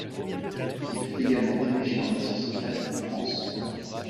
Il fut également dépêché en mission secrète en France.